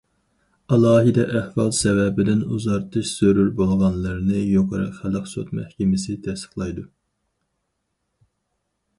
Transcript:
ئالاھىدە ئەھۋال سەۋەبىدىن ئۇزارتىش زۆرۈر بولغانلىرىنى يۇقىرى خەلق سوت مەھكىمىسى تەستىقلايدۇ.